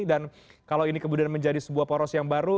dan kalau ini kemudian menjadi sebuah poros yang baru